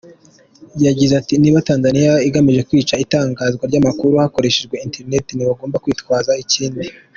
Yagize ati “Niba Tanzania igamije kwica itangwa ry’amakuru hakoreshejwe internet, ntibagomba kwitwaza ikindi.